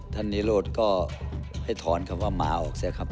นิโรธก็ให้ถอนคำว่าหมาออกเสียครับ